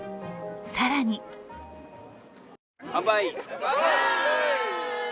更に乾杯！